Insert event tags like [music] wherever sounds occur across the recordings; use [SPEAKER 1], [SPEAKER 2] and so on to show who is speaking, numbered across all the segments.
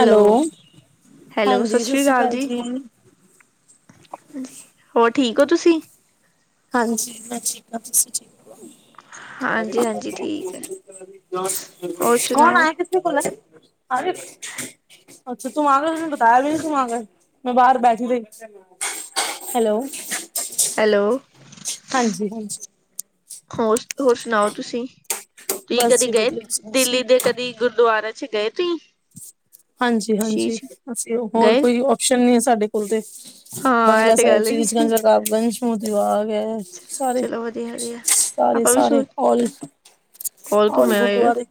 [SPEAKER 1] Hello ਹਾਂਜੀ ਸਤਿ ਸ਼੍ਰੀ ਅਕਾਲ ਜੀ।
[SPEAKER 2] ਹੋਰ ਠੀਕ ਹੋ ਤੁਸੀਂ?
[SPEAKER 1] ਹਾਂਜੀ ਮੈਂ ਠੀਕ ਹਾਂ, ਤੁਸੀਂ ਠੀਕ ਹੋ?
[SPEAKER 2] ਹਾਂਜੀ, ਹਾਂਜੀ ਠੀਕ ਹੈ,
[SPEAKER 1] [unintelligible]
[SPEAKER 2] ਹੋਰ ਸੁਣਾਓ?
[SPEAKER 1] [inaudible] ਅੱਛਾ ਤੂੰ ਆਗੇ, ਬਤਾਇਆ ਵੀ ਨਹੀ ਤੂੰ ਆਗੇ, ਮੈਂ ਬਾਹਰ ਬੈਠੀ ਰਹੀ ਹੈਲੋ।
[SPEAKER 2] ਹੈਲੋ।
[SPEAKER 1] ਹਾਂਜੀ-ਹਾਂਜੀ।
[SPEAKER 2] ਹੋਰ-ਹੋਰ ਸੁਣਾਓ ਤੁਸੀਂ-ਤੁਸੀਂ
[SPEAKER 1] ਬਸ
[SPEAKER 2] ਕਦੇ
[SPEAKER 1] ਜੀ
[SPEAKER 2] ਗਏ
[SPEAKER 1] ਵਧੀਆ ਤੁਸੀਂ ਦੱਸੋ?
[SPEAKER 2] ਦਿੱਲੀ ਦੇ ਕਦੀ ਗੁਰਦੁਆਰੇ 'ਚ ਗਏ ਤੁਸੀ।
[SPEAKER 1] ਹਾਂਜੀ-ਹਾਂਜੀ, ਅਸੀਂ ਹੋਰ
[SPEAKER 2] ਗਏ?
[SPEAKER 1] ਕੋਈ ਓਪਸ਼ਨ ਨਹੀਂ ਸਾਡੇ ਕੋਲ ਦੇ
[SPEAKER 2] ਹਾਂ ਇਹ
[SPEAKER 1] ਬੰਗਲਾ
[SPEAKER 2] ਤੇ
[SPEAKER 1] ਸਾਹਿਬ,
[SPEAKER 2] ਗੱਲ ਹੈਗੀ,
[SPEAKER 1] ਸ਼ੀਸ਼ਗੰਜ, ਰਕਾਬਗੰਜ ਮੋਤੀ ਬਾਗ ਹੈ। ਸਾਰੇ
[SPEAKER 2] ਚਲੋ ਵਧੀਆ, ਵਧੀਆ ਆਪਾਂ ਵੀ
[SPEAKER 1] ਸਾਰੇ-ਸਾਰੇ
[SPEAKER 2] ਸੋਚ
[SPEAKER 1] ਔਰ।
[SPEAKER 2] ਹੋਰ
[SPEAKER 1] ਹੋਲੀ
[SPEAKER 2] ਘੁੰਮੇ ਹੋਏ,
[SPEAKER 1] ਗੁਰਦੁਆਰੇ।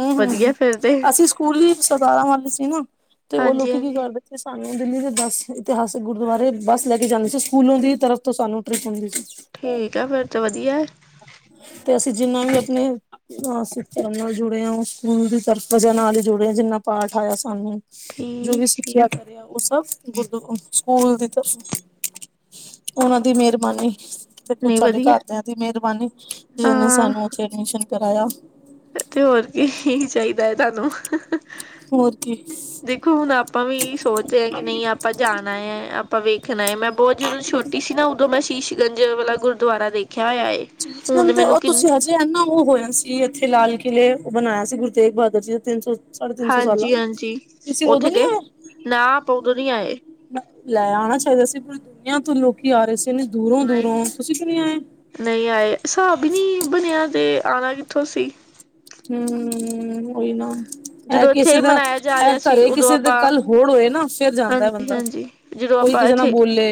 [SPEAKER 1] ਹਮ-ਹਮ
[SPEAKER 2] ਵਧੀਆ
[SPEAKER 1] ਹਮ,
[SPEAKER 2] ਫਿਰ ਤੇ
[SPEAKER 1] ਅਸੀਂ ਪੂਰੀ ਸਰਕਾਰਾਂ ਵਾਲੀ ਸੀ ਨਾ, ਤੇ ਉਹ
[SPEAKER 2] ਹਾਂਜੀ,
[SPEAKER 1] ਲੋਕੀ ਕੀ
[SPEAKER 2] ਹਾਂਜੀ
[SPEAKER 1] ਕਰਦੇ। ਤੇ ਸਾਨੂੰ ਦਿੱਲੀ ਦੇ ਬੱਸ ਇਤਿਹਾਸਿਕ ਗੁਰਦੁਆਰੇ ਬੱਸ ਲੈ ਕੇ ਜਾਂਣੀ ਸੀ। ਸਕੂਲੋਂ ਦੀ ਤਰਫ਼ ਤੋਂ ਸਾਨੂੰ ਟ੍ਰਿਪ ਹੁੰਦੀ ਸੀ।
[SPEAKER 2] ਠੀਕ ਆ, ਫੇਰ ਤਾਂ ਵਧੀਆ।
[SPEAKER 1] ਤੇ ਅਸੀਂ ਜਿੰਨਾ ਵੀ ਆਪਣੇ ਮਸਿੱਧ ਨਾਲ ਜੁੜੇ ਆ ਉਹ ਸਕੂਲ ਦੀ ਤਰਫ਼ ਵਜਾ ਨਾਲ ਹੀ ਜੁੜੇ ਵੀ ਜਿੰਨਾ ਪਾਠ ਆਇਆ ਸਾਨੂੰ। ਜੋ ਵੀ
[SPEAKER 2] ਠੀਕ,
[SPEAKER 1] ਸਿੱਖਿਆ
[SPEAKER 2] ਠੀਕ
[SPEAKER 1] ਦੇ ਉਹ ਸਭ, ਗੁਰਦੁਆ ਸਕੂਲ ਦੀ ਤਰਫੋ। ਉਹਨਾਂ ਦੀ ਮਿਹਰਬਾਨੀ। ਕੁਛ
[SPEAKER 2] ਨਹੀਂ
[SPEAKER 1] ਸਾਡੇ
[SPEAKER 2] ਵਧੀਆ
[SPEAKER 1] ਘਰਦਿਆਂ ਦੀ ਮਿਹਰਬਾਨੀ। ਜਿਹਨੇ
[SPEAKER 2] ਹਾਂ
[SPEAKER 1] ਸਾਨੂੰ ਉੱਥੇ ਐਡਮਿਸ਼ਨ ਕਰਾਇਆ।
[SPEAKER 2] ਤੇ ਹੋਰ ਕੀ ਹੀ ਚਾਹੀਦਾ ਹੈ। ਤੁਹਾਨੂੰ
[SPEAKER 1] ਹੋਰ ਕੀ
[SPEAKER 2] ਦੇਖੋ ਹੁਣ ਆਪਾਂ ਵੀ ਸੋਚਦੇ ਹਾਂ। ਕਿ ਨਹੀਂ ਆਪ ਆਪਾਂ ਜਾਣਾ ਹੈ। ਆਪਾਂ ਵੇਖਣਾ ਹੈ। ਮੈਂ ਬਹੁਤ ਜਦੋਂ ਛੋਟੀ ਸੀ। ਨਾ ਉਦੋਂ ਮੈਂ ਸ਼ੀਸ਼ਗੰਜ ਜਦੋਂ ਵਾਲਾ ਗੁਰਦੁਆਰਾ ਦੇਖਿਆ ਹੋਇਆ ਹੈ।
[SPEAKER 1] ਚੀਜ਼ ਦਿੰਦੇ ਉਹ ਤੁਸੀਂ ਅੱਜ ਤੇ ਨਾ ਉਹ ਹੋਇਆ ਸੀ। ਇੱਥੇ ਲਾਲ ਕਿਲ੍ਹੇ ਬਣਾਇਆ ਸੀ। ਗੁਰੂ ਤੇਗ ਬਹਾਦਰ ਜੀ ਦਾ। ਤਿੰਨ ਸੌ ਸਾਢੇ ਤਿੰਨ ਸੌ ਸਾਲਾਂ।
[SPEAKER 2] ਹਾਂਜੀ ਹਾਂਜੀ
[SPEAKER 1] ਤੁਸੀਂ ਉਦੋਂ
[SPEAKER 2] ਉੱਥੇ
[SPEAKER 1] ਨੀ
[SPEAKER 2] ਗਏ
[SPEAKER 1] ਆਏ।
[SPEAKER 2] ਨਾ, ਆਪਾ ਉਦੋਂ ਨੀ ਆਏ।
[SPEAKER 1] ਲੈ ਆਉਣਾ ਚਾਹੀਦਾ ਸੀ। ਪੂਰੀ ਦੁਨੀਆਂ ਤੋਂ ਲੋਕੀ ਆ ਰਹੇ ਸੀ। ਇਨੇ
[SPEAKER 2] ਨਹੀਂ
[SPEAKER 1] ਦੂਰੋਂ-ਦੂਰੋਂ, ਤੁਸੀਂ ਕਿਉਂ ਨੀ ਆਏ।
[SPEAKER 2] ਨਹੀਂ ਆਏ, ਹਿਸਾਬ ਹੀ ਨਹੀਂ ਬਣਿਆ। ਤੇ ਆਉਣਾ ਕਿੱਥੋਂ ਸੀ।
[SPEAKER 1] ਹਮ ਉਹੀ ਨਾ। ਇਹ
[SPEAKER 2] ਜਦੋਂ
[SPEAKER 1] ਕਿਸੇ
[SPEAKER 2] ਇੱਥੇ
[SPEAKER 1] ਦਾ,
[SPEAKER 2] ਮਨਾਇਆ ਜਾ
[SPEAKER 1] ਇਹ
[SPEAKER 2] ਰਿਹਾ ਸੀ
[SPEAKER 1] ਘਰੇ
[SPEAKER 2] ਉਦੋਂ
[SPEAKER 1] ਕਿਸੇ ਦਾ
[SPEAKER 2] ਆਪਾਂ
[SPEAKER 1] ਕੱਲ੍ਹ ਹੋਰ ਹੋਏ ਨਾ, ਫਿਰ ਜਾਂਦਾ
[SPEAKER 2] ਹਾਂਜੀ
[SPEAKER 1] ਬੰਦਾ।
[SPEAKER 2] ਹਾਂਜੀ ਜਦੋਂ
[SPEAKER 1] ਕੋਈ
[SPEAKER 2] ਆਪਾਂ
[SPEAKER 1] ਕਿਸੇ ਨਾਲ
[SPEAKER 2] ਇੱਥੇ
[SPEAKER 1] ਬੋਲੇ।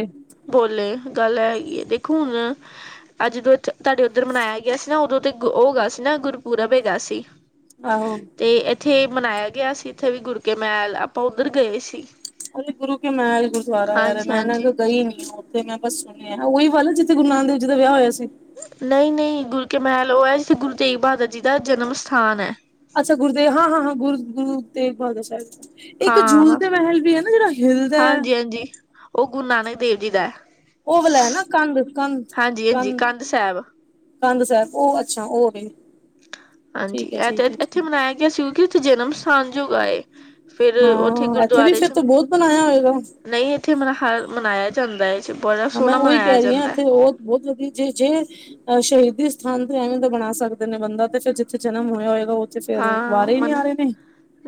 [SPEAKER 2] ਬੋਲੇ, ਗੱਲ ਐ ਹੈਗੀ ਹੈ। ਦੇਖੋ ਹੁਣ ਅੱਜ ਜਦੋਂ ਤੁਹਾਡੇ ਉੱਧਰ ਮਨਾਇਆ ਗਿਆ ਸੀ। ਨਾ ਉਦੋਂ ਤੇ ਉਹ ਗਿਆ ਸੀ ਨਾ ਗੁਰਪੁਰਬ ਹੈਗਾ ਸੀ।
[SPEAKER 1] ਆਹੋ।
[SPEAKER 2] ਤੇ ਇੱਥੇ ਮਨਾਇਆ ਗਿਆ ਸੀ। ਇੱਥੇ ਵੀ ਗੁਰ ਕੇ ਮਹਿਲ, ਆਪਾਂ ਉੱਧਰ ਗਏ ਸੀ।
[SPEAKER 1] ਅਰੇ ਗੁਰੂ ਕੇ ਮਹਲ ਗੁਰਦੁਆਰਾ, ਮੈਂ ਨਾ
[SPEAKER 2] ਹਾਂਜੀ-ਹਾਂਜੀ
[SPEAKER 1] ਗਈ ਨੀ ਸੀ। ਤੇ ਮੈਂ ਬਸ ਸੁਣਿਆ, ਉਹੀ ਵਲ ਜਿੱਥੇ ਗੁਰੂ ਨਾਨਕਦੇਵ ਜੀ ਦਾ ਵਿਆਹ ਹੋਇਆ ਸੀ।
[SPEAKER 2] ਨਹੀਂ, ਨਹੀਂ ਗੁਰ ਕੇ ਮਹਿਲ ਉਹ ਹੈ ਜਿੱਥੇ ਗੁਰੂ ਤੇਗ ਬਹਾਦਰ ਜੀ ਦਾ ਜਨਮ ਸਥਾਨ ਹੈ।
[SPEAKER 1] ਅੱਛਾ ਗੁਰੂਦੇਵ ਹਾਂ, ਹਾਂ, ਹਾਂ ਗੁਰੂ ਗੁਰੂਤੇਗਬਹਾਦਰ ਸਾਹਿਬ ਜੀ। ਇੱਕ
[SPEAKER 2] ਹਾਂ
[SPEAKER 1] ਝੂਲ ਦੇ ਮਹਿਲ ਵੀ ਹੈ ਨਾ, ਜਿਹੜਾ ਹਿਲਦਾ।
[SPEAKER 2] ਹਾਂਜੀ। ਉਹ ਗੁਰੂ ਨਾਨਕ ਦੇਵ ਜੀ ਦਾ।
[SPEAKER 1] ਉਹ ਵਾਲਾ ਹੈ ਨਾ ਕੰਧ, ਕੰਧ,
[SPEAKER 2] ਹਾਂਜੀ-ਹਾਂਜੀ
[SPEAKER 1] ਕੰਧ।
[SPEAKER 2] ਸਾਹਿਬ
[SPEAKER 1] ਕੰਧ ਸਾਹਿਬ ਉਹ ਅੱਛਾ ਉਹਵੇ।
[SPEAKER 2] ਹਾਂਜੀ ਇਹ ਤੇ ਇੱਥੇ ਮਨਾਇਆ ਗਿਆ ਸੀ। ਕਿਉਂਕਿ ਇੱਥੇ ਜਨਮ ਸਥਾਨ ਜੋ ਹੈਗਾ ਏ। ਫਿਰ ਉੱਥੇ
[SPEAKER 1] ਹਾਂ ਇੱਥੇ ਵੀ
[SPEAKER 2] ਗੁਰਦੁਆਰੇ
[SPEAKER 1] ਫਿਰ
[SPEAKER 2] ਚ
[SPEAKER 1] ਤਾਂ ਬਹੁਤ ਬਣਾਇਆ ਹੋਏਗਾ
[SPEAKER 2] ਨਹੀਂ ਇੱਥੇ ਮਨਾਹ ਮਨਾਇਆ ਜਾਂਦਾ ਇਸ ਬੜਾ
[SPEAKER 1] ਹਾਂ ਮੈਂ
[SPEAKER 2] ਸੋਹਣਾ
[SPEAKER 1] ਉਹੀ
[SPEAKER 2] ਮਨਾਇਆ
[SPEAKER 1] ਕਹਿ ਰਹੀ ਹਾਂ
[SPEAKER 2] ਜਾਂਦਾ ਏ।
[SPEAKER 1] ਇੱਥੇ ਉਹ ਬਹੁਤ ਵਧੀਆ ਜੇ ਜੇ। ਅ ਸ਼ਹੀਦੀ ਸਥਾਨ ਤੇ ਐਵੇਂ ਦਾ ਬਣਾ ਸਕਦੇ ਨੇ ਬੰਦਾ ਤੇ ਫਿਰ ਜਿੱਥੇ ਜਨਮ ਹੋਇਆ ਹੋਏਗਾ ਉਹ
[SPEAKER 2] ਹਾਂ ਮਨ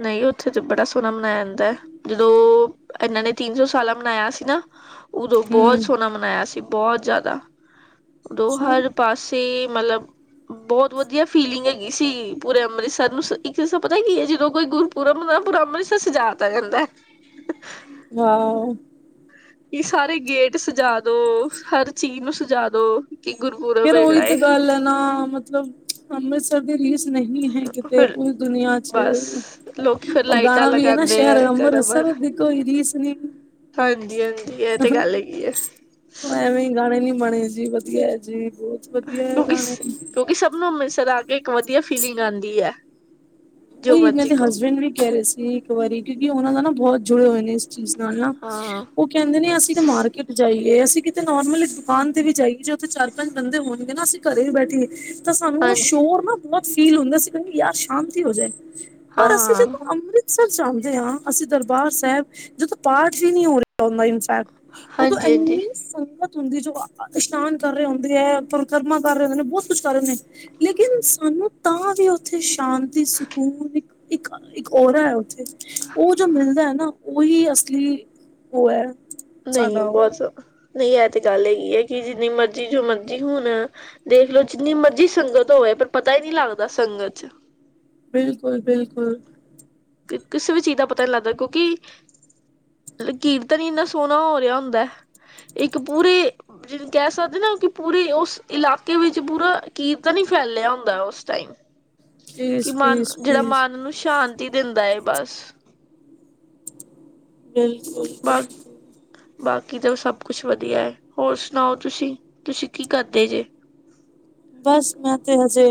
[SPEAKER 2] ਨਹੀਂ ਉੱਥੇ ਤੇ ਬੜਾ ਸੋਹਣਾ ਮਨਾਇਆ ਜਾਂਦਾ। ਜਦੋਂ ਇਹਨਾਂ ਨੇ ਤਿੰਨ ਸੌ ਸਾਲਾਂ ਮਨਾਇਆ ਸੀ ਨਾ ਉਦੋਂ ਬਹੁਤ
[SPEAKER 1] ਹਮ
[SPEAKER 2] ਸੋਹਣਾ ਮਨਾਇਆ ਸੀ। ਬਹੁਤ ਜ਼ਿਆਦਾ ਉਦੋਂ
[SPEAKER 1] ਅੱਛਾ
[SPEAKER 2] ਹਰ ਪਾਸੀ ਮਤਲਬ ਬਹੁਤ ਵਧੀਆ ਫੀਲਿੰਗ ਹੈਗੀ ਸੀ ਪੂਰੇ ਅੰਮ੍ਰਿਤਸਰ ਨੂੰ ਇੱਕ ਪਤਾ ਕੀ ਹੈ ਜਦੋਂ ਕੋਈ ਗੁਰਪੁਰਬ ਪੂਰਾ ਅੰਮ੍ਰਿਤਸਰ ਸਜਾ ਦਿਤਾ ਜਾਂਦਾ। [unintelligible]
[SPEAKER 1] ਹਾਂ
[SPEAKER 2] ਕੀ ਸਾਰੇ ਗੇਟ ਸਜਾ ਦੋ ਹਰ ਚੀਜ਼ ਨੂੰ ਸਜਾ ਦੋ। ਕਿ ਗੁਰੁਪੁਰਬ
[SPEAKER 1] ਫੇਰ ਉਹੀ ਤੇ ਗੱਲ ਹੈ ਨਾ ਮਤਲਬ ਅੰਮ੍ਰਿਤਸਰ ਦੀ ਰੀਸ ਨਹੀਂ ਹੈ ਕਿਤੇ
[SPEAKER 2] ਫਿਰ
[SPEAKER 1] ਪੂਰੀ ਦੁਨੀਆਂ ਚ
[SPEAKER 2] ਬਸ ਲੋਕੀ ਫਿਰ
[SPEAKER 1] ਉਹ
[SPEAKER 2] ਲਾਈਟਾਂ
[SPEAKER 1] ਗਾਣਾ ਵੀ ਹੈ ਨਾ
[SPEAKER 2] ਲਗਾਉਂਦੇ
[SPEAKER 1] ਸ਼ਹਿਰ
[SPEAKER 2] ਘਰਾਂ ਬਾਹਰ
[SPEAKER 1] ਅੰਮ੍ਰਿਤਸਰ ਦੀ ਕੌਈ ਰੀਸ ਨੀ।
[SPEAKER 2] ਹਾਂਜੀ, ਹਾਂਜੀ ਇਹ ਤੇ ਗੱਲ ਹੈਗੀ ਏ।
[SPEAKER 1] ਉਹ ਐਵੇਂ ਗਾਣੇ ਨੀ ਬਣੇ ਜੀ ਵਧੀਆ ਏ ਜੀ ਬਹੁਤ ਵਧੀਆ ਹੈ
[SPEAKER 2] ਕਿਉਂਕਿ,
[SPEAKER 1] ਗਾਣੇ
[SPEAKER 2] ਕਿਉਂਕਿ ਸਭ ਨੂੰ ਅੰਮ੍ਰਿਤਸਰ ਆ ਕੇ ਇੱਕ ਵਧੀਆ ਫੀਲਿੰਗ ਆਉਂਦੀ ਹੈ। ਜੋ
[SPEAKER 1] ਉਹੀ ਮੇਰੇ
[SPEAKER 2] ਮਰਜੀ
[SPEAKER 1] ਤੇ
[SPEAKER 2] ਕਹੋ
[SPEAKER 1] ਹਸਬੈਂਡ ਵੀ ਕਹਿ ਰਹੇ ਸੀ। ਇੱਕ ਵਾਰੀ ਕਿਉਂਕਿ ਉਹਨਾਂ ਦਾ ਨਾ ਬਹੁਤ ਜੁੜੇ ਹੋਏ ਨੇ ਇਸ ਚੀਜ਼ ਨਾਲ ਨਾ
[SPEAKER 2] ਹਾਂ
[SPEAKER 1] ਉਹ ਕਹਿੰਦੇ ਨੇ ਅਸੀਂ ਤਾਂ ਮਾਰਕੀਟ ਜਾਈਏ। ਅਸੀਂ ਕਿਤੇ ਨੋਰਮਲੀ ਦੁਕਾਨ ਤੇ ਵੀ ਜਾਈਏ। ਜੇ ਉੱਥੇ ਚਾਰ ਪੰਜ ਬੰਦੇ ਹੋਣਗੇ ਨਾ ਅਸੀਂ ਘਰੇ ਵੀ ਬੈਠੀਏ। ਤਾਂ ਸਾਨੂੰ ਉਹ
[SPEAKER 2] ਹਾਂਜੀ
[SPEAKER 1] ਸ਼ੋਰ ਨਾ ਬਹੁਤ ਫੀਲ ਹੁੰਦਾ ਸੀ। ਅਸੀਂ ਕਹਿੰਦੇ ਯਾਰ ਸ਼ਾਂਤੀ ਹੀ ਹੋ ਜਾਏ। ਪਰ ਅਸੀਂ
[SPEAKER 2] ਹਾਂ
[SPEAKER 1] ਜਦੋਂ ਅੰਮ੍ਰਿਤ ਅਕਸਰ ਚਾਹੁੰਦੇ ਹਾਂ ਅਸੀਂ ਦਰਬਾਰ ਸਾਹਿਬ ਜਦੋਂ ਪਾਠ ਵੀ ਨਹੀ ਹੋ ਰਿਹਾ ਹੁੰਦਾ। ਉਦੋਂ
[SPEAKER 2] ਹਾਂਜੀ ਹਾਂਜੀ
[SPEAKER 1] ਇੰਨੀ ਸੰਗਤ ਹੁੰਦੀ ਜੋ ਇਸ਼ਨਾਨ ਕਰ ਰਹੇ ਹੁੰਦੇ ਹੈ। ਪਰਿਕਰਮਾ ਕਰ ਰਹੇ ਹੁੰਦੇ ਨੇ ਬਹੁਤ ਕੁਛ ਕਰ ਰਹੇ ਨੇ ਲੇਕਿਨ ਸਾਨੂੰ ਤਾਂ ਵੀ ਉੱਥੇ ਸ਼ਾਂਤੀ ਸੁ ਕੂਨ ਇੱਕ, ਇੱਕ, ਇੱਕ ਔਰਾ ਹੈ ਉੱਥੇ ਉਹ ਜੋ ਮਿਲਦਾ ਹੈ ਨਾ ਉਹੀ ਅਸਲੀ ਉਹ ਹੈ।
[SPEAKER 2] ਨਹੀਂ
[SPEAKER 1] ਸਾਡਾ ਉਹ
[SPEAKER 2] ਬਹੁਤ ਨਹੀਂ ਇਹ ਤੇ ਗੱਲ ਹੈਗੀ ਹੈ ਕਿ ਜਿੰਨੀ ਮਰਜ਼ੀ ਜੋ ਮਰਜੀ ਹੁਣ ਦੇਖ ਲਓ ਜਿੰਨੀ ਮਰਜ਼ੀ ਸੰਗਤ ਹੋਵੇ ਪਰ ਪਤਾ ਹੀ ਨਹੀਂ ਲੱਗਦਾ ਸੰਗਤ ਚ
[SPEAKER 1] ਬਿਲਕੁਲ, ਬਿਲਕੁਲ।
[SPEAKER 2] ਕਿਸੇ ਵੀ ਚੀਜ਼ ਦਾ ਪਤਾ ਨਹੀ ਲੱਗਦਾ ਕਿਉਂਕਿ ਕੀਰਤਨ ਹੀ ਇੰਨਾ ਸੋਹਣਾ ਹੋ ਰਿਹਾ ਹੁੰਦਾ। ਇੱਕ ਪੂਰੇ ਜਿਹਨੂੰ ਕਹਿ ਸਕਦੇ ਨਾ ਕਿ ਪੂਰੇ ਉਸ ਇਲਾਕੇ ਵਿੱਚ ਪੂਰਾ ਕੀਰਤਨ ਹੀ ਫੈਲਿਆ ਹੁੰਦਾ ਉਸ ਟਾਈਮ ਕਿ
[SPEAKER 1] ਪਲੀਜ਼
[SPEAKER 2] ਮਨ
[SPEAKER 1] ਪਲੀਜ਼
[SPEAKER 2] ਜਿਹੜਾ
[SPEAKER 1] ਪਲੀਜ਼
[SPEAKER 2] ਮਨ ਨੂੰ ਸ਼ਾਂਤੀ ਦਿੰਦਾ ਏ ਬਸ।
[SPEAKER 1] ਬਿਲਕੁਲ-
[SPEAKER 2] ਬਾ
[SPEAKER 1] ਬਿਲਕੁਲ।
[SPEAKER 2] ਬਾਕੀ ਤਾਂ ਸਭ ਕੁਛ ਵਧੀਆ ਏ, ਹੋਰ ਸੁਣਾਓ ਤੁਸੀਂ ਤੁਸੀਂ ਕੀ ਕਰਦੇ ਜੇ?
[SPEAKER 1] ਬਸ ਮੈਂ ਤੇ ਹਜੇ,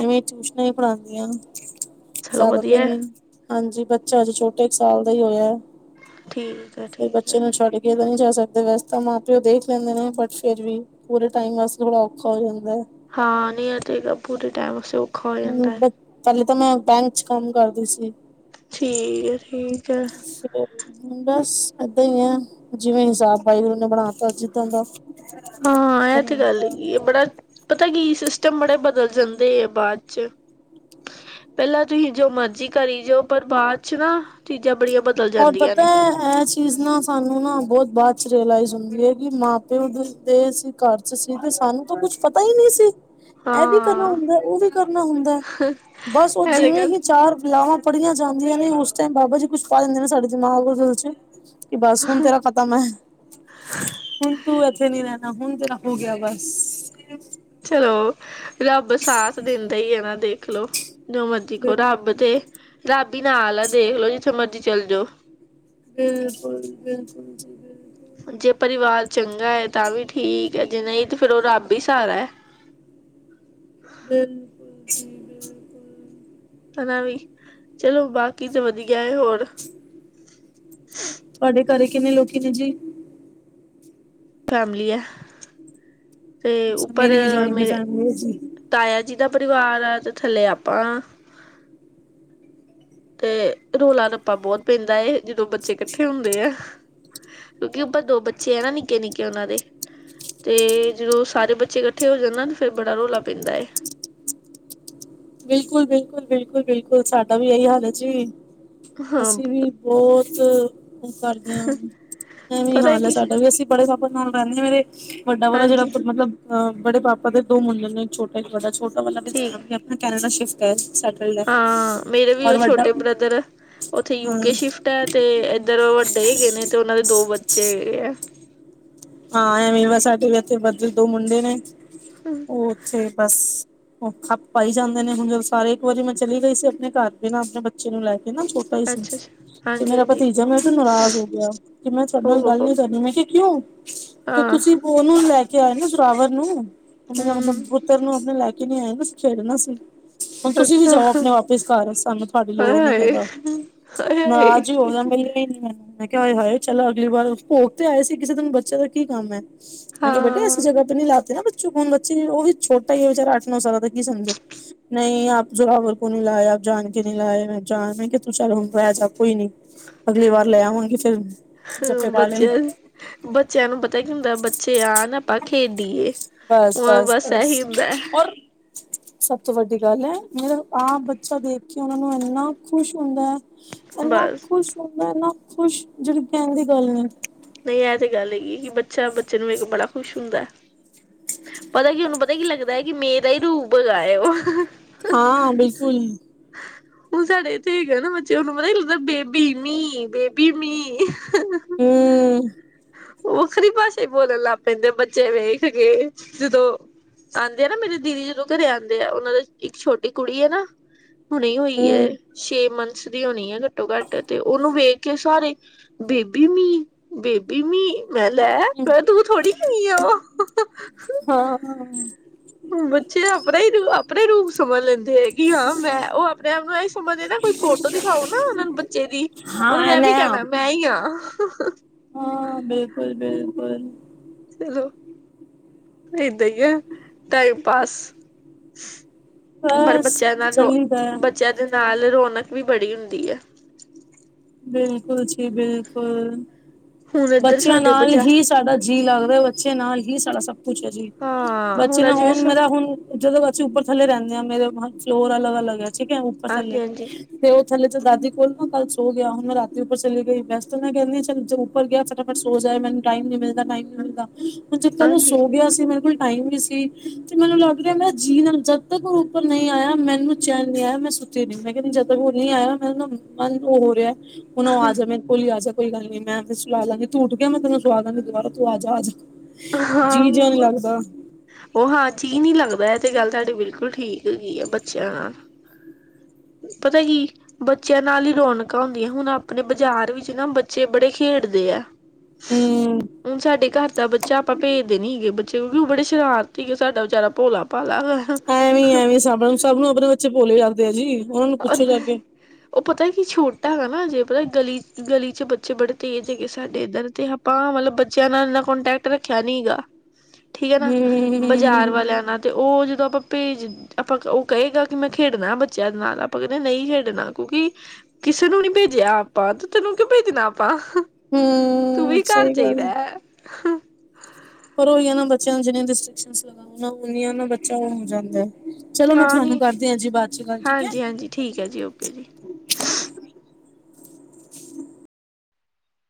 [SPEAKER 1] ਐਵੇਂ ਟਿਊਸ਼ਨਾਂ ਹੀ ਪੜ੍ਹਾਉਂਦੀ ਆ।
[SPEAKER 2] ਚਲੋ
[SPEAKER 1] ਜ਼ਿਆਦਾ ਤੇ
[SPEAKER 2] ਵਧੀਆ
[SPEAKER 1] ਨਹੀਂ, ਹਾਂਜੀ ਬੱਚਾ ਅਜੇ ਛੋਟਾ ਇੱਕ ਸਾਲ ਦਾ ਹੀ ਹੋਇਆ।
[SPEAKER 2] ਠੀਕ ਹੈ
[SPEAKER 1] ਫੇਰ
[SPEAKER 2] ਠੀਕ
[SPEAKER 1] ਬੱਚੇ
[SPEAKER 2] ਹੈ
[SPEAKER 1] ਨੂੰ ਛੱਡ ਕੇ ਤਾਂ ਨਹੀਂ ਜਾ ਸਕਦੇ, ਵੈਸੇ ਤਾਂ ਮਾਂ- ਪਿਓ ਦੇਖ ਲੈਂਦੇ ਨੇ, ਬਟ ਫੇਰ ਵੀ। ਪੂਰੇ ਟਾਈਮ ਵਾਸਤੇ ਥੋੜਾ ਔਖਾ ਹੋ ਜਾਂਦਾ ਐ।
[SPEAKER 2] ਹਾਂ ਨਹੀਂ ਆ ਤੇ ਹੈਗਾ ਪੂਰੇ ਟਾਈਮ ਔਖਾ ਹੋ
[SPEAKER 1] ਹੂੰ
[SPEAKER 2] ਜਾਂਦਾ ਹੈ
[SPEAKER 1] ਪਹਿਲੇ ਤਾਂ ਮੈਂ ਬੈਂਕ ਚ ਕੰਮ ਕਰਦੀ ਸੀ।
[SPEAKER 2] ਠੀਕ ਹੈ- ਠੀਕ ਹੈ।
[SPEAKER 1] ਹੁਣ ਬਸ ਏਦਾਂ ਹੀ ਐ, ਜਿਵੇਂ ਹਿਸਾਬ ਵਾਹਿਗੁਰੂ ਨੇ ਬਣਾ ਤ ਜਿੱਦਾਂ ਦਾ।
[SPEAKER 2] ਹਾਂ ਇਹ ਤੇ
[SPEAKER 1] ਬਣਾ
[SPEAKER 2] ਗੱਲ
[SPEAKER 1] ਤਾ
[SPEAKER 2] ਹੈਗੀ ਏ ਬੜਾ, ਪਤਾ ਕੀ ਸਿਸਟਮ ਬੜੇ ਬਦਲ ਜਾਂਦੇ ਆ ਬਾਅਦ ਚ ਪਹਿਲਾਂ ਤੁਸੀਂ ਜੋ ਮਰਜੀ ਕਰੀ ਜਾਓ, ਪਰ ਬਾਅਦ ਚ ਨਾ ਚੀਜ਼ਾਂ ਬੜੀਆਂ
[SPEAKER 1] ਹੋਰ
[SPEAKER 2] ਜਾਂਦੀਆਂ
[SPEAKER 1] ਪਤਾ
[SPEAKER 2] ਨੇ
[SPEAKER 1] ਐ। ਇਹ ਚੀਜ਼ ਨਾ ਸਾਨੂੰ ਨਾ ਬਹੁਤ ਬਾਅਦ ਚ ਰੀਅਲਾਈਜ਼ ਹੁੰਦੀ ਹੈ ਕੀ, ਮਾਂ- ਪਿਓ ਦੇ ਉੱਤੇ ਅਸੀਂ ਘਰ ਸੀ, ਤੇ ਸਾਨੂੰ ਤਾਂ ਕੁੱਛ ਪਤਾ ਹੀ ਨਹੀਂ ਸੀ। ਇਹ ਵੀ ਕਰਨਾ
[SPEAKER 2] ਹਾਂ
[SPEAKER 1] ਹੁੰਦਾ ਏ, ਉਹ ਵੀ ਕਰਨਾ ਹੁੰਦਾ ਏ, ਬਸ ਉਹ
[SPEAKER 2] ਇਹ ਤੇ
[SPEAKER 1] ਜਿਵੇਂ
[SPEAKER 2] ਗੱਲ
[SPEAKER 1] ਹੀ ਚਾਰ ਲਾਵਾਂ ਪੜੀਆਂ ਜਾਂਦੀਆਂ ਨੇ, ਉਸ ਟਾਈਮ ਬਾਬਾ ਜੀ ਕੁਛ ਪਾ ਦਿੰਦੇ ਨੇ, ਸਾਡੇ ਦਿਮਾਗ, ਔ ਦਿਲ ਚ। ਕਿ ਬਸ ਹੁਣ ਤੇਰਾ ਖਤਮ ਹੈ। ਹੁਣ ਤੂੰ ਇੱਥੇ ਨੀ ਰਹਿਣਾ ਹੁਣ ਤੇਰਾ ਹੋ ਗਿਆ ਬਸ। [unintelligible]
[SPEAKER 2] ਚਲੋ ਰੱਬ ਸਾਥ ਦਿੰਦਾ ਹੀ ਐ ਨਾ ਦੇਖਲੋ। ਜੋ ਮਰਜੀ ਕਹੋ ਰੱਬ
[SPEAKER 1] ਬਿਲਕੁਲ
[SPEAKER 2] ਤੇ, ਰੱਬ ਹੀ ਨਾਲ ਆ ਦੇਖਲੋ। ਜਿੱਥੇ ਮਰਜ਼ੀ ਚੱਲ ਜਾਓ।
[SPEAKER 1] ਬਿਲਕੁ- ਬਿਲਕੁਲ ਜੀ, ਬਿਲਕੁਲ।
[SPEAKER 2] ਜੇ ਪਰਿਵਾਰ ਚੰਗਾ ਹੈ ਤਾਂ ਵੀ ਠੀਕ ਹੈ, ਜੇ ਨਹੀਂ ਤੇ, ਫੇਰ ਉਹ ਰੱਬ ਹੀ ਸਾਹਾਰਾ ਹੈ।
[SPEAKER 1] ਬਿਲਕੁਲ ਜੀ।
[SPEAKER 2] ਹਨਾਂ ਵੀ ਚਲੋ ਬਾਕੀ ਤੇ ਵਧੀਆ ਹੈ, ਹੋਰ?
[SPEAKER 1] ਤੁਹਾਡੇ ਘਰੇ ਕਿੰਨੇ ਲੋਕੀ ਨੇ ਜੀ।
[SPEAKER 2] ਫੈਮਲੀ ਹੈ। ਤੇ
[SPEAKER 1] ਅੱਛਾ
[SPEAKER 2] ਉੱਪਰ
[SPEAKER 1] ਮੇਰੀ ਵੀ ਜੁਆਇੰਨ ਦੀ
[SPEAKER 2] ਮੇਰੇ
[SPEAKER 1] ਫੈਮਿਲੀ ਹੈ ਜੀ।
[SPEAKER 2] ਤਾਇਆ ਜੀ ਦਾ ਪਰਿਵਾਰ ਆ। ਤੇ ਥੱਲੇ ਆਪਾ। ਤੇ ਰੌਲਾ-ਰੱਪਾ ਬਹੁਤ ਪੈਂਦਾ ਏ, ਜਦੋਂ ਬੱਚੇ ਇਕੱਠੇ ਹੁੰਦੇ ਐ। ਕਿਉਂਕਿ ਉਪਰ ਦੋ ਬੱਚੇ ਆ, ਨਿੱਕੇ-ਨਿੱਕੇ ਉਹਨਾਂ ਦੇ। ਤੇ ਜਦੋਂ ਸਾਰੇ ਬੱਚੇ ਇਕੱਠੇ ਹੋ ਜਾਂਣ ਨਾ ਤਾ ਫੇਰ ਬੜਾ ਰੌਲਾ ਪੈਂਦਾ ਏ।
[SPEAKER 1] ਬਿਲਕੁਲ-ਬਿਲਕੁਲ, ਬਿਲਕੁਲ -ਬਿਲਕੁਲ ਸਾਡਾ ਵੀ ਇਹੀ ਹਾਲ ਹੈ ਜੀ।
[SPEAKER 2] ਹਾਂ
[SPEAKER 1] ਅਸੀਂ ਵੀ ਬਹੁਤ ਕਰਦੇ ਹਾਂ। ਐਵੇਂ
[SPEAKER 2] ਪਤਾ
[SPEAKER 1] ਹਾਲ ਹੈ
[SPEAKER 2] ਕੀ
[SPEAKER 1] ਸਾਡਾ ਵੀ ਅਸੀਂ ਬੜੇ ਪਾਪਾ ਨਾਲ ਰਹਿੰਦੇ ਨੇ ਮੇਰੇ, ਵੱਡਾ ਵਾਲਾ ਜਿਹੜਾ
[SPEAKER 2] ਹਾਂਜੀ
[SPEAKER 1] ਮਤਲਬ ਅਹ ਬੜੇ ਪਾਪਾ ਦੇ ਦੋ ਮੁੰਡੇ ਨੇ ਛੋਟਾ ਇਕ ਬੱਡਾ ਛੋਟਾ ਵਾਲਾ ਅਪਣੀ
[SPEAKER 2] ਠੀਕ
[SPEAKER 1] ਫੈਮਲੀ ਆਪਣਾ ਕੈਨੇਡਾ ਸ਼ਿਫਟ ਹੈ। ਸਾਡਾ
[SPEAKER 2] ਹਾਂ ਮੇਰੇ ਵੀ ਉਹ ਛੋਟੇ ਬ੍ਰਦਰ, ਉੱਥੇ
[SPEAKER 1] ਹਾਂ,
[SPEAKER 2] ਯੂਕੇ ਸ਼ਿਫਟ ਹੈ ਤੇ ਇੱਧਰ ਵੱਡੇ ਹੈਗੇ ਨੇ, ਤੇ ਉਹਨਾ ਦੇ ਦੋ ਬੱਚੇ ਹੈਗੇ ਆ।
[SPEAKER 1] ਹਾਂ ਐਵਾ ਸਾਡੇ ਵੀ ਇੱਥੇ ਵੱਡੇ ਦੋ ਮੁੰਡੇ ਨੇ
[SPEAKER 2] ਹੂੰ
[SPEAKER 1] ਊਥੇ ਬਸ। ਉਹ ਖਪ ਪਾਈ ਜਾਂਦੇ ਨੇ, ਹੁਣ ਜਦੋਂ ਸਾਰੇ ਇੱਕ ਵਾਰੀ ਮੈਂ ਚਲੀ ਗਈ ਸੀ ਆਪਣੇ ਘਰ ਵੀ ਨਾ। ਆਪਣੇ ਬੱਚੇ ਨੂੰ ਲੈ ਕੇ ਨਾ ਛੋ ਪੈ ਸਨ।
[SPEAKER 2] ਅੱਛਾ ਅੱਛਾ
[SPEAKER 1] [unintelligible] ਤੇ
[SPEAKER 2] ਹਾਂਜੀ
[SPEAKER 1] ਮੇਰਾ
[SPEAKER 2] ਹਾਂਜੀ
[SPEAKER 1] ਭਤੀਜਾ ਮੈਂ ਤੋ ਨਰਾਜ਼ ਹੋ ਗਿਆ। ਕਿ ਮੈਂ ਤੁਹਾਡੇ ਨਾਲ
[SPEAKER 2] ਹੋ
[SPEAKER 1] ਗੱਲ
[SPEAKER 2] ਹੋ
[SPEAKER 1] ਨੀ ਕਰਨੀ, ਮੈਂ ਕਿਹਾ ਕਿਉਂ। ਤੇ
[SPEAKER 2] ਹਾਂ
[SPEAKER 1] ਤੁਸੀਂ ਉਹਨੂੰ ਲੈ ਕੇ ਆਏ ਨਾ ਜਰਾਵਰ ਨੂੰ, ਉਹੇ ਦਾ ਮਤਲਬ
[SPEAKER 2] ਹੂੰ
[SPEAKER 1] ਪੁੱਤਰ ਨੂੰ ਆਪਣੇ ਲੈ ਕੇ ਨਹੀਂ ਆਏ ਅਸੀ ਖੇਡਣਾ ਸੀ। ਹੁਣ ਤੁਸੀਂ ਵੀ
[SPEAKER 2] ਅੱਛਾ
[SPEAKER 1] ਜਾਓ ਆਪਣੇ ਵਾਪਿਸ ਘਰ ਸਾਨੂੰ ਤੁਹਾਡੀ ਲੋੜ
[SPEAKER 2] ਹਾਏ
[SPEAKER 1] ਨੀ,
[SPEAKER 2] ਹਾਏ
[SPEAKER 1] ਕਹਿੰਦਾ।
[SPEAKER 2] ਹਾਏ ਹਾਏ
[SPEAKER 1] ਨਾਰਾਜ ਹੀ ਹੋ ਜਾਂ, ਮਿਲਣੀ ਨੀ ਮੈ। ਮੈਂ ਕਿਹਾ ਹਾਏ-ਹਾਏ ਚੱਲ ਅਗਲੀ ਵਾਰ, ਭੋਗ ਤੇ ਆਏ ਸੀ। ਇਸੇ ਦਿਨ ਬੱਚੇ ਦਾ ਕੀ ਕੰਮ ਹੈ। ਮੈਂ ਕਿਆ ਬੇਟੇ
[SPEAKER 2] ਹਾਂ
[SPEAKER 1] ਐਸੀ ਜਗਾ ਤੇ ਨੀ ਲਾ ਤੇ ਬ ਛੋ ਬੱਚੇ ਹੁਣ ਬੱਚੇ ਉਹ ਵੀ ਛੋਟਾ ਹੀ ਹੈ ਵਿਚਾਰਾ ਅੱਠ- ਨੌ ਸਾਲਾਂ ਦਾ ਕੀ ਸਮਝੇ ਨਹੀਂ ਆਪ ਜੋਰਾਵਰ ਕੋ ਨਈ ਲਾਏ ਆਪ ਜਾਣ ਕੇ ਨਹੀਂ ਲਾਏ ਮ ਜਾਣ ਮੈਂ ਕਿ ਤੂੰ ਚੱਲ ਬੈ ਜ ਕੋਈ ਨਈ ਅਗਲੀ ਵਾਰ
[SPEAKER 2] ਨਹੀਂ
[SPEAKER 1] ਲੈਵਾਂਗੀ ਫਿਰ ਜੱਫੇ ਪਾ ਲੀ।
[SPEAKER 2] ਬੱਚਿਆਂ ਬੱਚਿਆਂ ਨੂੰ ਪਤਾ ਕੀ ਹੁੰਦਾ ਬੱਚੇ ਆਣ ਆਪਾਂ ਖੇਡੀਏ। ਬਸ ਇਹੀ ਹੁੰਦਾ।
[SPEAKER 1] ਸਭ ਤੋਂ ਵੱਡੀ ਗੱਲ ਹੈ ਮੇਰਾ ਆਪ ਬੱਚਾ ਦੇਖ ਕੇ ਉਹਨਾ ਨੂੰ ਇੰਨਾ ਖੁਸ਼ ਹੁੰਦਾ ਹੈ। ਇੰਨਾ
[SPEAKER 2] ਬਸ
[SPEAKER 1] ਖੁਸ਼ ਹੁੰਦਾ ਇੰਨਾ ਖੁਸ਼ ਜੇੜੀ ਕੈਂਣ ਦੀ ਗੱਲ ਨਈ।
[SPEAKER 2] ਨਈ ਇਹ ਤੇ ਗੱਲ ਹੈਗੀ ਕਿ ਬੱਚਾ ਬੱਚੇ ਨੂੰ ਵੇਖ ਬੜਾ ਖੁਸ਼ ਹੁੰਦਾ। ਪਤਾ ਕੀ ਉਹਨੂੰ ਪਤਾ ਕੀ ਲੱਗਦਾ ਹੈ ਕਿ ਮੇਰਾ ਹੀ ਰੂਪ ਹੈਗਾ ਹੈ ਓ
[SPEAKER 1] ਹਾਂ ਬਿਲਕੁਲ
[SPEAKER 2] [inaudible] ਹੁਣ ਸਾਡੇ ਇੱਥੇ ਹੈਗੇ ਨਾ ਬੱਚੇ ਉਹਨੂੰ ਪਤਾ ਹੀ ਲੱਗਦਾ ਬੇਬੀ ਮੀ-ਬੇਬੀ ਮੀ
[SPEAKER 1] ਹੂੰ
[SPEAKER 2] ਵੱਖਰੀ ਭਾਸ਼ਾ ਬੋਲਣ ਲੱਗ ਪੈਂਦੇ ਬੱਚੇ ਵੇਖ ਕੇ ਜਦੋਂ ਆਂਦੇ ਆ ਨਾ ਮੇਰੀ ਦੀਦੀ ਜਦੋਂ ਘਰੇ ਆਂਦੇ ਆ ਉਹਨਾਂ ਦੇ ਇੱਕ ਛੋਟੀ ਕੁੜੀ ਹੈ ਨਾ ਹੁਣੇ ਹੋਈ ਹੈ
[SPEAKER 1] ਹੂੰ,
[SPEAKER 2] ਛੇ ਮੰਥਸ ਦੀ ਹੋਣੀ ਹੈ ਘੱਟੋ ਘੱਟ ਤੇ ਉਹਨੂੰ ਵੇਖ ਸਾਰੇ ਬੇਬੀ ਮੀਂ ਬੇਬੀ ਮੀ ਮੈਂ ਲੈ ਫ ਤੂੰ ਥੋੜੀ ਹੈਣੀ ਆ ਓ
[SPEAKER 1] ਹਾਂ
[SPEAKER 2] ਹ ਬੱਚੇ ਆਪਣਾ ਹੀ ਆਪਣਾ ਰੂਪ ਸਮਝ ਲੈਂਦੇ ਕਿ ਹਾਂ ਮੈਂ ਉਹ ਆਪਣੇ ਆਪ ਨੂੰ ਇਹਂ ਸਮਝਦੇ ਨਾ ਕੋਈ ਫੋਟੋ ਦਿਖਾਓ ਨਾ ਉਹਨਾਂ ਨੂੰ ਬੱਚੇ ਦੀ
[SPEAKER 1] ਹਾਂ
[SPEAKER 2] ਉਹਨਾ ਨੇ ਇਹ
[SPEAKER 1] ਐਵੇਂ
[SPEAKER 2] ਵੀ
[SPEAKER 1] ਆ।
[SPEAKER 2] ਕੈਂਣਾ ਮੈਂ ਈ ਆਂ।
[SPEAKER 1] ਹਾਂ ਬਿਲਕੁਲ-ਬਿਲਕੁਲ
[SPEAKER 2] ਚਲੋ ਏਦਾਂ ਹੀ ਆ ਟਾਈਮ ਪਾਸ ਪਰ
[SPEAKER 1] ਬਸ
[SPEAKER 2] ਬੱਚਿਆਂ ਨਾਲ ਰੋ
[SPEAKER 1] ਚੱਲੀਦਾ ਐ।
[SPEAKER 2] ਬੱਚਿਆਂ ਦੇ ਨਾਲ ਰੌਣਕ ਵੀ ਬੜੀ ਹੁੰਦੀ ਹੈ।
[SPEAKER 1] ਬਿਲਕੁਲ ਜੀ ਬਿਲਕੁਲ
[SPEAKER 2] ਹੁਣ ਇੱਧਰ
[SPEAKER 1] ਬੱਚਿਆਂ
[SPEAKER 2] ਸਾਡੇ
[SPEAKER 1] ਨਾਲ
[SPEAKER 2] ਬਜਾ
[SPEAKER 1] ਹੀ ਸਾਡਾ ਜੀ ਲੱਗਦਾ ਬੱਚੇ ਨਾਲ ਹੀ ਸਾਡਾ ਸਭ ਕੁਛ ਹੈ ਜੀ
[SPEAKER 2] ਹਾਂ
[SPEAKER 1] ਬੱਚੇ ਨਾਲ
[SPEAKER 2] ਜਿਵੇਂ
[SPEAKER 1] ਹੁਣ ਮੇਰਾ ਹੁਣ ਜਦੋਂ ਅਸੀਂ ਉੱਪਰ ਥੱਲੇ ਰੈਂਦੇ ਹਾਂ ਮੇਰੇ ਫਲੋਰ ਅਲੱਗ-ਅਲੱਗ ਠੀਕ ਹੈ ਉੱਪਰ
[SPEAKER 2] ਹਾਂਜੀ
[SPEAKER 1] ਥੱਲੇ
[SPEAKER 2] ਹਾਂਜੀ
[SPEAKER 1] ਤੇ ਉਹ ਥੱਲੇ ਤਾਂ ਦਾਦੀ ਕੋਲ [unintelligible] ਸੋ ਗਿਆ ਹੂੰ ਮੈਂ ਰਾਤੀ ਉੱਪਰ ਚਲੀ ਗਈ ਵੈਸ ਮੈਂ ਕੈਂਣੀ ਚੰ ਜ ਉਪਰ ਗਿਆ ਫਟਾਫਟ ਸੋ ਜਾਏ ਮੈਨੂੰ ਟਾਇਮ ਨਈ ਮਿਲਦਾ ਟਾਈਮ ਨਈ ਮਿਲਦਾ ਹੁਣ ਜਦ ਕੱਲ ਓ
[SPEAKER 2] ਹਾਂਜੀ
[SPEAKER 1] ਸੋ ਗਿਆ ਸੀ ਮੇਰੇ ਕੋਲ ਟਾਈਮ ਵੀ ਸੀ। ਤੇ ਮੈਨੂੰ ਲੱਗ ਰਿਆ ਮੈਂ ਜੀਅ ਨਾਲ ਜਦ ਤੱਕ ਓ ਉੱਪਰ ਨਹੀਂ ਆਇਆ ਮੈਨੂੰ ਚੈਣ ਨਈ ਆਇਆ ਮੈਂ ਸੁ ਮੈਂ ਕੈਂਦੀ ਜਦ ਤੱਕ ਉਹ ਨਹੀਂ ਆਇਆ ਮ ਨਾ ਮ ਓ ਹੋ ਰਿਆ ਹੁਣ ਓ ਆ ਜਾਵੇ ਮੇਰੇ ਕੋਲ ਹੀ ਆ ਜੇ ਕੋਈ ਗੱਲ ਨੀ ਮੈਂ ਸੁਲਾ ਲਾਂਗੀ ਤੂੰ ਉਠ ਗਿਆ ਮੈਂ ਤੈਨੂੰ ਸੁਵਾਦਾਂਗੀ ਦੁਬਾਰਾ ਤੂੰ ਆ ਜਾ ਜੀ
[SPEAKER 2] ਹਾਂ
[SPEAKER 1] ਜਿਹਾ ਨੀ ਲੱਗਦਾ
[SPEAKER 2] ਓ ਹਾਂ ਜੀ ਨੀ ਲੱਗਦਾ ਇਹ ਤੇ ਗੱਲ ਤੁਹਾਡੀ ਬਿਲਕੁਲ ਠੀਕ ਹੈਗੀ ਆ ਬੱਚਿਆਂ ਨਾਲ ਪਤਾ ਕੀ ਬੱਚਿਆਂ ਨਾਲ ਹੀ ਰੌਣਕਾਂ ਹੁੰਦੀਆਂ ਹੁਣ ਆਪਣੇ ਬਾਜ਼ਾਰ ਵਿੱਚ ਨਾ ਬੱਚੇ ਬੜੇ ਖੇਡਦੇ ਆ।
[SPEAKER 1] ਹੂੰ
[SPEAKER 2] ਹੁਣ ਸਾਡੇ ਘਰ ਤਾ ਬ 'ਚ ਆਪਾਂ ਭੇਜਦੇ ਨੀ ਸੀਗੇ ਬੱਚੇ ਕਿਉਂਕਿ ਓ ਬੜੇ ਸ਼ਰਾਰਤੀ ਸੀਗੇ ਸਾਡਾ ਵਚਾਰਾ ਭੋਲਾ ਭਾਲਾ ਹੈਗਾ।
[SPEAKER 1] ਐਵੇਂ-ਐਵੇਂ ਸਭ ਸਭ ਨੂੰ ਆਪਣੇ ਬੱਚੇ ਭੋਲੇ ਲੱਗਦੇ ਜੀ ਉਹਨਾਂ ਨੂੰ ਪੁੱਛੋ ਜਾ ਕੇ
[SPEAKER 2] ਓ ਓ ਪਤਾ ਕੀ ਛੋਟਾ ਹੈਗਾ ਨਾ ਜੇ ਪਤਾ ਗਲੀ ਗਲੀ 'ਚ ਬੱਚੇ ਬੜੇ ਤੇਜ਼ ਹੈਗੇ ਸਾਡੇ ਇੱਧਰ ਤੇ ਆਪਾਂ ਮਤਲਬ ਬੱਚਿਆਂ ਨਾਲ ਇੰਨਾ ਕੋਂਨਟੈਕਟ ਰੱਖਿਆ ਨੀ ਹੈਗਾ, ਠੀਕ ਏ ਨਾ, ਬਾਜ਼ਾਰ
[SPEAKER 1] ਹੂੰ
[SPEAKER 2] ਵਾਲਿਆਂ ਨਾਲ ਤੇ ਉਹ ਜਦੋਂ ਆਪਾਂ ਭੇਜ, ਆਪਾਂ ਉਹ ਕਹੇਗਾ ਕਿ ਮੈਂ ਖੇਡਣਾ ਬੱਚਿਆਂ ਦੇ ਨਾਲ ਆਪਾਂ ਆਪਾਂ ਕਹਿੰਦੇ ਨਹੀਂ ਖੇਡਣਾ, ਕਿਉਂਕਿ ਕਿਸੇ ਨੂੰ ਨੀ ਭੇਜਿਆ ਆਪਾਂ ਤੇ ਤੈਨੂੰ ਕਿਉਂ ਭੇਜਣਾ ਆਪਾਂ ਤੂੰ
[SPEAKER 1] ਹੂੰ
[SPEAKER 2] ਵੀ ਘਰ
[SPEAKER 1] ਸਹੀ ਗੱਲ ਆ
[SPEAKER 2] ਚਾਈਂਦਾ ਐ
[SPEAKER 1] ਪਰ ਉਹੀ ਏ ਨਾ, ਬੱਚਿਆਂ ਨੂੰ ਜਿੰਨੀਆਂ ਰਿਸਟ੍ਰਿਕਸ਼ਨ ਲਗਾਵਾਂਗੇ ਉਹੀ ਏ ਨਾ, ਬੱਚਾ ਉਹ ਹੋ ਜਾਂਦਾ ਚਲੋ, ਮੈਂ
[SPEAKER 2] ਹਾਂ
[SPEAKER 1] ਤੁਹਾਨੂੰ
[SPEAKER 2] ਨੀ
[SPEAKER 1] ਕਰਦੀ ਆ ਜੀ ਬਾਅਦ 'ਚ ਗੱਲ, ਠੀਕ
[SPEAKER 2] ਹਾਂਜੀ
[SPEAKER 1] ਏ।
[SPEAKER 2] ਹਾਂਜੀ ਠੀਕ ਐ ਜੀ, ਓਕੇ ਜੀ।